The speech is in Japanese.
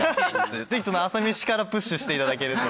ぜひ『朝メシ』からプッシュして頂けると。